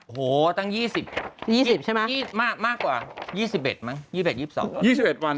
โหทั้ง๒๐มากกว่า๒๑มั้ง๒๑๒๒วัน